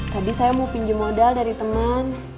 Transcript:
tadi saya mau pinjam modal dari teman